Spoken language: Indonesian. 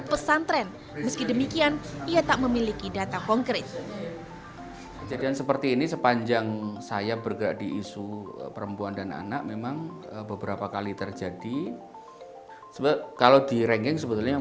kebanyakan hari ini ketika kita di lawan sarawak